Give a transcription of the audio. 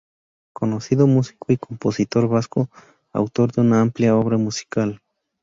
Conocido músico y compositor vasco, autor de una amplia obra musical.